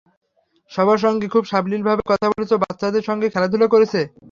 সবার সঙ্গে খুব সাবলীল ভাবে কথা বলছে, বাচ্চাদের সঙ্গে খেলাধুলা করছে।